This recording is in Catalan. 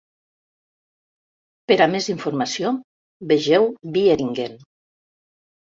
Per a més informació, vegeu Wieringen.